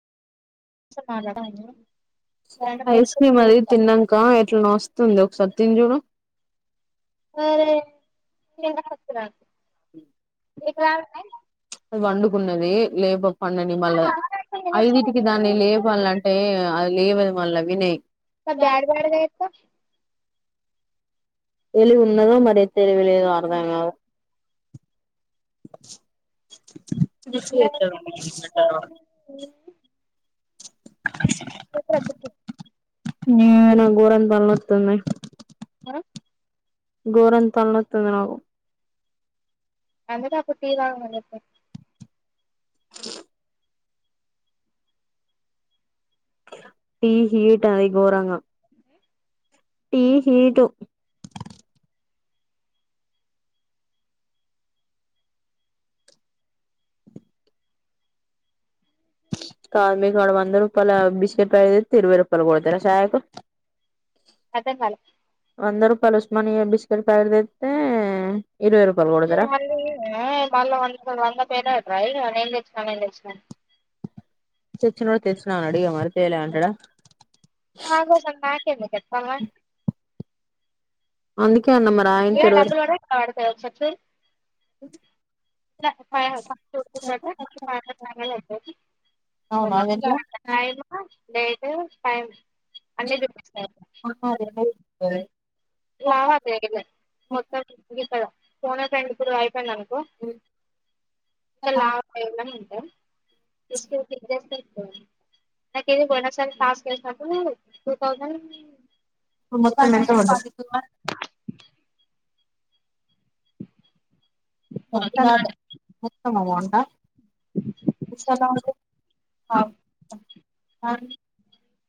చా మట్లాడావా నువు ice cream అది తిన్నాంక క్ ఎట్లనో వస్తుంది ఒకసారి తిని చూడు అరే [unintelligible] అది పండుకున్నది లెపాకు పండని మళ్ళ ఐదుటికి దాన్ని లేపాలంటే అది లేవ మళ్ల వినయి స బ్యాడ బ్యాడగాయిత తెలివి ఉందో మరి తెలివి లేదో వారుదాంగ ఉమ్ రిస్క్ చేస్తాడు మెంటలోడు చెపు రా చెప్పు ఏ నాకు గోరంగా తల నొస్తంది ఆ గోరంగా తల నొస్తంది నాకు అందుకే అప్పుడు టీ తాగమని చెప్పిన అందుకనే టీ హీట్ అది గోరంగా టీ హీటు కాద మీ కాడ వంద రూపాాల బిస్ చెప్ప ఇరవై రూపాయలు కొడత సాాయకు అర్థం కాలే వంద రూపాయలు మన బిస్కెట్ ప్యాకెట్ తెస్తే ఇరవై రూపాయలు కొడతారా అ బళ్ళ వంద వంద పేద అ ఇ న సమ లక్ష్మ్ తెచ్చనోడు తెచ్చిన అడిగ మరి తెలే అంటడా నాకోసం నాకు ఎందుకు చెప్పమ్మా అందు ఏ డబ్బులుడ కడ [unintelligible] అవునా అదెట్ల డైట్ ఫైవ్ అ వా ప [unintelligible] మొత్తం కద ఫోనే ఫ్రెండ్ ఇప్పుడు అయిపోయింద మీకు ఇకాలాపైనా హ చూస్తూ ఉంది. జేస్ట్ నాకు ఇది బోనస్స టాస్క్ చేసినప్పుడు టూ థౌసండ్ ఇప్పుడు మొత్తం మెంటల్ వచ్చేస్తుంది. మొత్తమ బొండా గుర్తువస్తా ఉండిద్ది. అ